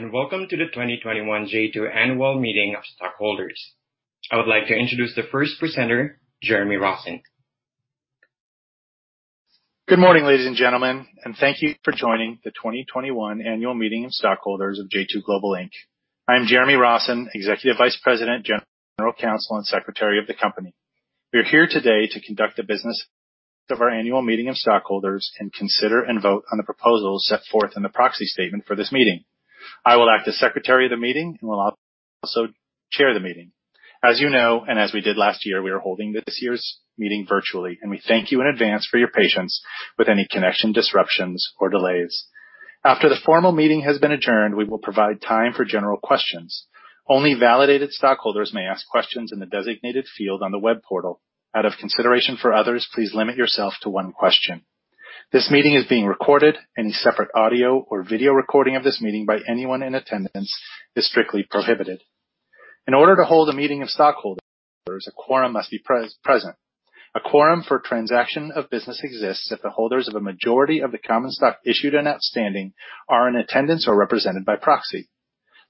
Good morning. Welcome to the 2021 J2 Annual Meeting of Stockholders. I would like to introduce the first presenter, Jeremy Rossen. Good morning, ladies and gentlemen, thank you for joining the 2021 Annual Meeting of Stockholders of J2 Global, Inc. I am Jeremy Rossen, Executive Vice President, General Counsel, and Secretary of the company. We are here today to conduct the business of our annual meeting of stockholders, consider and vote on the proposals set forth in the proxy statement for this meeting. I will act as Secretary of the meeting and will also Chair the meeting. As you know, as we did last year, we are holding this year's meeting virtually, and we thank you in advance for your patience with any connection disruptions or delays. After the formal meeting has been adjourned, we will provide time for general questions. Only validated stockholders may ask questions in the designated field on the web portal. Out of consideration for others, please limit yourself to one question. This meeting is being recorded. Any separate audio or video recording of this meeting by anyone in attendance is strictly prohibited. In order to hold a meeting of stockholders, a quorum must be present. A quorum for transaction of business exists if the holders of a majority of the common stock issued and outstanding are in attendance or represented by proxy.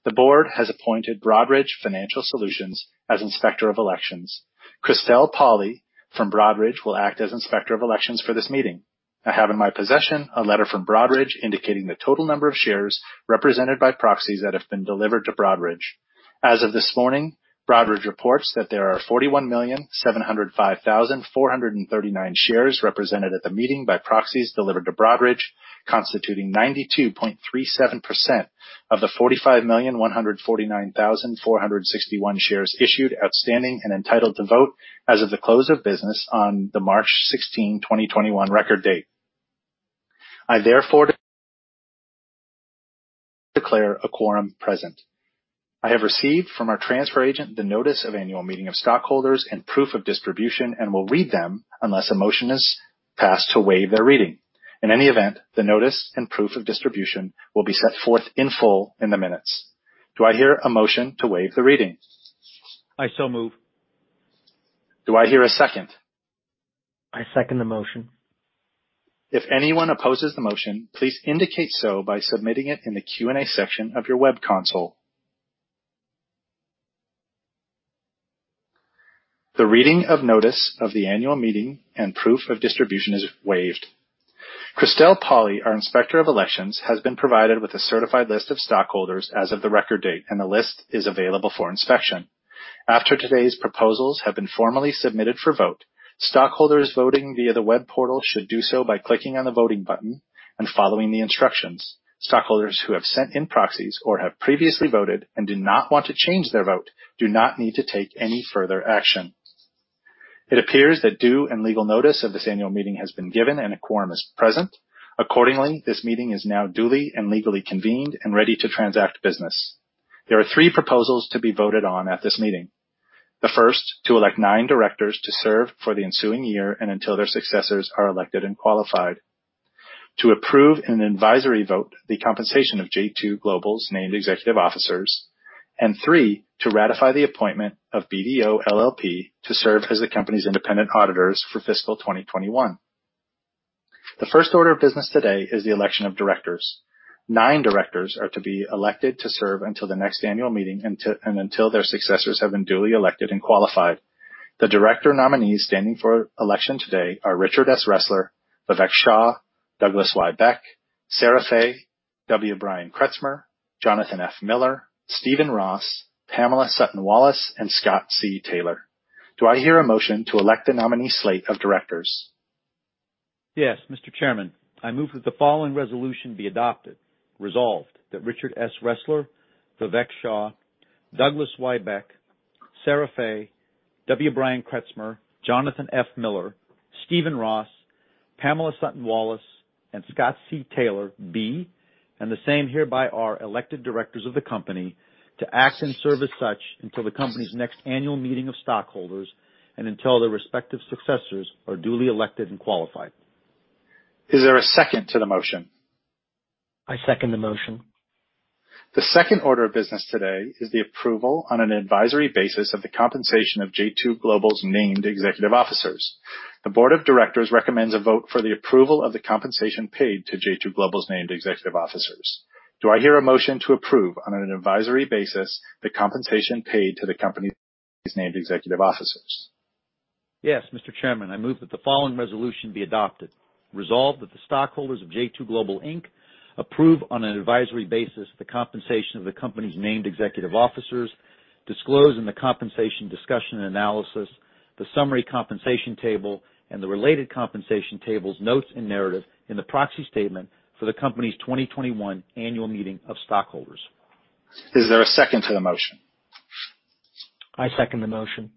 The board has appointed Broadridge Financial Solutions as Inspector of Elections. Christel Pauli from Broadridge will act as Inspector of Elections for this meeting. I have in my possession a letter from Broadridge indicating the total number of shares represented by proxies that have been delivered to Broadridge. As of this morning, Broadridge reports that there are 41,705,439 shares represented at the meeting by proxies delivered to Broadridge, constituting 92.37% of the 45,149,461 shares issued outstanding and entitled to vote as of the close of business on the March 16, 2021 record date. I therefore declare a quorum present. I have received from our transfer agent the notice of annual meeting of stockholders and proof of distribution and will read them unless a motion is passed to waive their reading. In any event, the notice and proof of distribution will be set forth in full in the minutes. Do I hear a motion to waive the reading? I so move. Do I hear a second? I second the motion. If anyone opposes the motion, please indicate so by submitting it in the Q&A section of your web console. The reading of notice of the annual meeting and proof of distribution is waived. Christel Pauli, our Inspector of Elections, has been provided with a certified list of stockholders as of the record date, and the list is available for inspection. After today's proposals have been formally submitted for vote, stockholders voting via the web portal should do so by clicking on the voting button and following the instructions. Stockholders who have sent in proxies or have previously voted and do not want to change their vote do not need to take any further action. It appears that due and legal notice of this annual meeting has been given and a quorum is present. Accordingly, this meeting is now duly and legally convened and ready to transact business. There are three proposals to be voted on at this meeting. The first, to elect nine directors to serve for the ensuing year and until their successors are elected and qualified. To approve in an advisory vote the compensation of J2 Global's named executive officers. Three, to ratify the appointment of BDO LLP to serve as the company's independent auditors for fiscal 2021. The first order of business today is the election of directors. Nine directors are to be elected to serve until the next annual meeting and until their successors have been duly elected and qualified. The director nominees standing for election today are Richard S. Ressler, Vivek Shah, Douglas Y. Beck, Sarah Fay, W. Brian Kretzmer, Jonathan F. Miller, Stephen M. Ross, Pamela M. Sutton-Wallace, and Scott C. Taylor. Do I hear a motion to elect the nominee slate of directors? Yes, Mr. Chairman, I move that the following resolution be adopted. Resolved, that Richard S. Ressler, Vivek Shah, Douglas Y. Beck, Sarah Fay, W. Brian Kretzmer, Jonathan F. Miller, Stephen M. Ross, Pamela M. Sutton-Wallace, and Scott C. Taylor be, and the same hereby are, elected directors of the company to act and serve as such until the company's next annual meeting of stockholders and until their respective successors are duly elected and qualified. Is there a second to the motion? I second the motion. The second order of business today is the approval on an advisory basis of the compensation of J2 Global's named executive officers. The board of directors recommends a vote for the approval of the compensation paid to J2 Global's named executive officers. Do I hear a motion to approve on an advisory basis the compensation paid to the company's named executive officers? Yes, Mr. Chairman, I move that the following resolution be adopted. Resolved, that the stockholders of J2 Global Inc approve on an advisory basis the compensation of the company's named executive officers disclose in the compensation discussion and analysis, the summary compensation table and the related compensation table's notes and narrative in the proxy statement for the company's 2021 annual meeting of stockholders. Is there a second to the motion? I second the motion.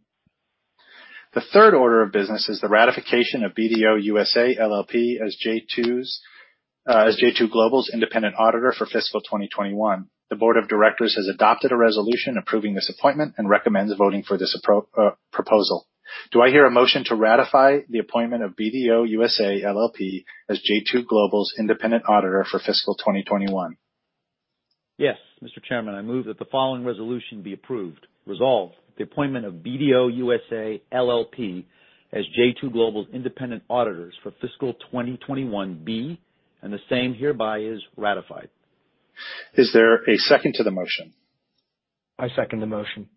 The third order of business is the ratification of BDO USA, LLP as J2 Global's independent auditor for fiscal 2021. The board of directors has adopted a resolution approving this appointment and recommends voting for this proposal. Do I hear a motion to ratify the appointment of BDO USA, LLP as J2 Global's independent auditor for fiscal 2021? Yes, Mr. Chairman, I move that the following resolution be approved. Resolved, the appointment of BDO USA, LLP as J2 Global's independent auditors for fiscal 2021 be, and the same hereby is ratified. Is there a second to the motion? I second the motion.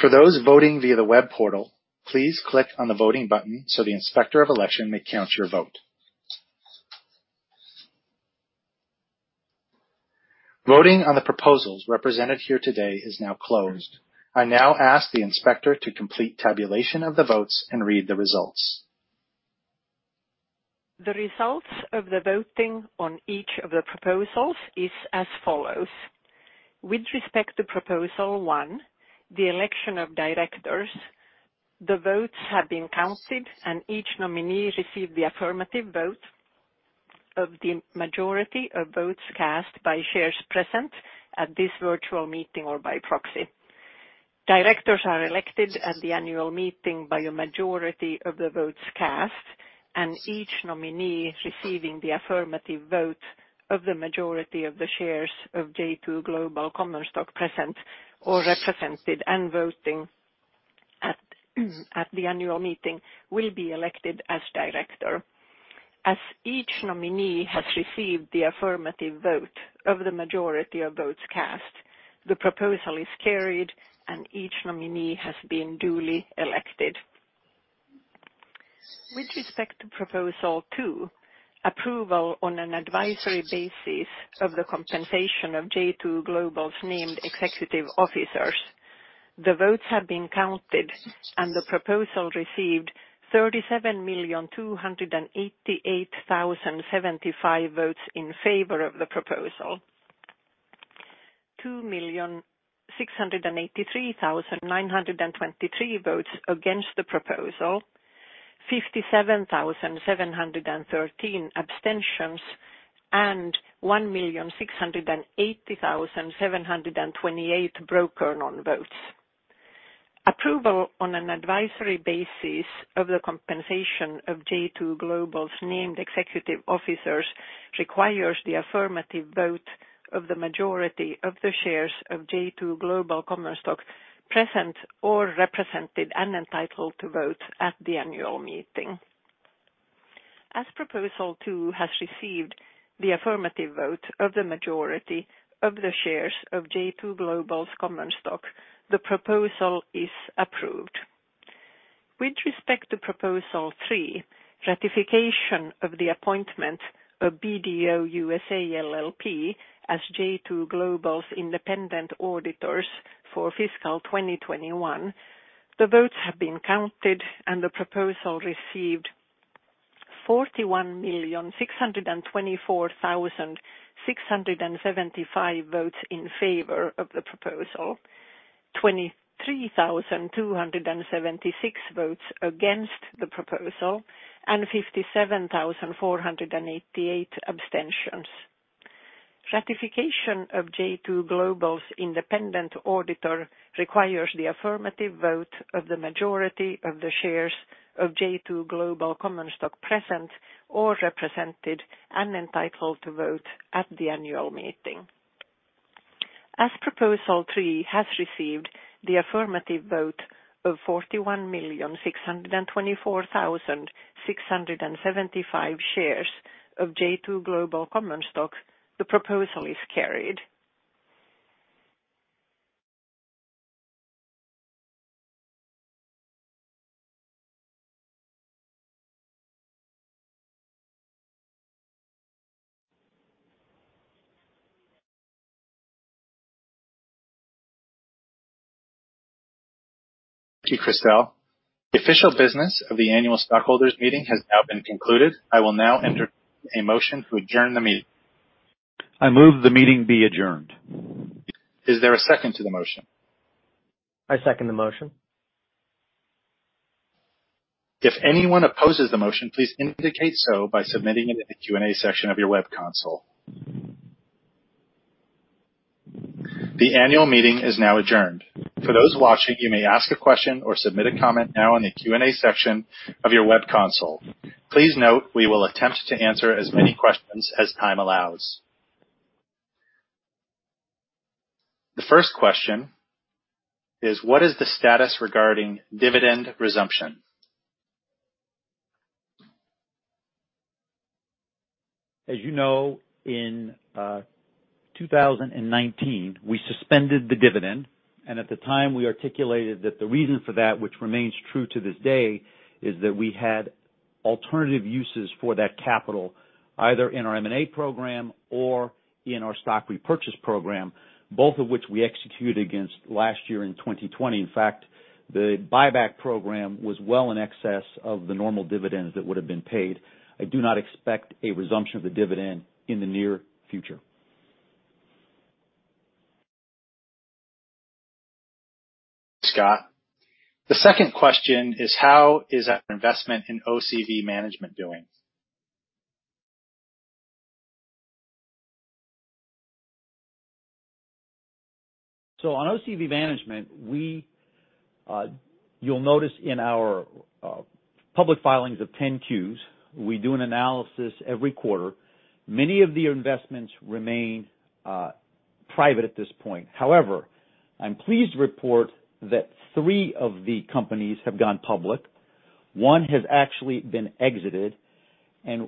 For those voting via the web portal, please click on the voting button so the Inspector of Election may count your vote. Voting on the proposals represented here today is now closed. I now ask the Inspector to complete tabulation of the votes and read the results. The results of the voting on each of the proposals is as follows. With respect to proposal one, the election of directors, the votes have been counted, and each nominee received the affirmative vote of the majority of votes cast by shares present at this virtual meeting or by proxy. Directors are elected at the annual meeting by a majority of the votes cast, and each nominee receiving the affirmative vote of the majority of the shares of J2 Global common stock present or represented and voting at the annual meeting will be elected as director. As each nominee has received the affirmative vote of the majority of votes cast, the proposal is carried, and each nominee has been duly elected. With respect to proposal two, approval on an advisory basis of the compensation of J2 Global's named executive officers. The votes have been counted, and the proposal received 37,288,075 votes in favor of the proposal. 2,683,923 votes against the proposal. 57,713 abstentions, and 1,680,728 broker non-votes. Approval on an advisory basis of the compensation of J2 Global's named executive officers requires the affirmative vote of the majority of the shares of J2 Global common stock present or represented and entitled to vote at the annual meeting. As proposal two has received the affirmative vote of the majority of the shares of J2 Global's common stock, the proposal is approved. With respect to proposal three, ratification of the appointment of BDO USA, LLP as J2 Global's independent auditors for fiscal 2021. The votes have been counted, the proposal received 41,624,675 votes in favor of the proposal. 23,276 votes against the proposal, and 57,488 abstentions. Ratification of J2 Global's independent auditor requires the affirmative vote of the majority of the shares of J2 Global common stock present or represented and entitled to vote at the annual meeting. As proposal three has received the affirmative vote of 41,624,675 shares of J2 Global common stock, the proposal is carried. Thank you, Christel. The official business of the annual stockholders meeting has now been concluded. I will now enter a motion to adjourn the meeting. I move the meeting be adjourned. Is there a second to the motion? I second the motion. If anyone opposes the motion, please indicate so by submitting it in the Q&A section of your web console. The annual meeting is now adjourned. For those watching, you may ask a question or submit a comment now in the Q&A section of your web console. Please note, we will attempt to answer as many questions as time allows. The first question is, "What is the status regarding dividend resumption? As you know, in 2019, we suspended the dividend. At the time, we articulated that the reason for that, which remains true to this day, is that we had alternative uses for that capital, either in our M&A program or in our stock repurchase program, both of which we executed against last year in 2020. In fact, the buyback program was well in excess of the normal dividends that would've been paid. I do not expect a resumption of the dividend in the near future. Scott. The second question is, "How is our investment in OCV Management doing? On OCV Management, you'll notice in our public filings of 10-Qs, we do an analysis every quarter. Many of the investments remain private at this point. However, I'm pleased to report that three of the companies have gone public. One has actually been exited.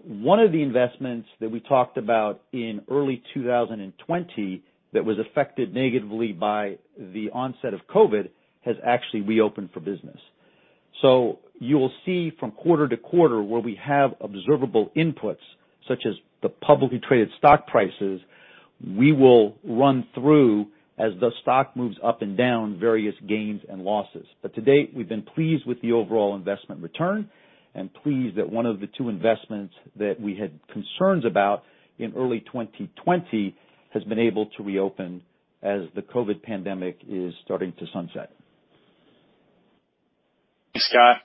One of the investments that we talked about in early 2020 that was affected negatively by the onset of COVID has actually reopened for business. You will see from quarter to quarter where we have observable inputs, such as the publicly traded stock prices. We will run through, as the stock moves up and down, various gains and losses. To date, we've been pleased with the overall investment return and pleased that one of the two investments that we had concerns about in early 2020 has been able to reopen as the COVID pandemic is starting to sunset. Thanks, Scott.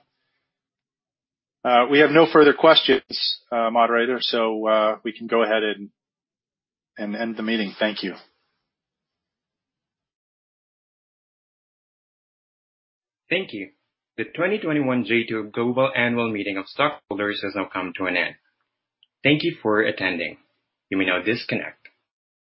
We have no further questions, moderator, so we can go ahead and end the meeting. Thank you. Thank you. The 2021 J2 Global annual meeting of stockholders has now come to an end. Thank you for attending. You may now disconnect.